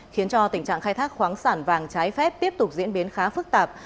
khiến cho tình trạng khai thác khoáng sản vàng trái phép tiếp tục diễn biến khá phức tạp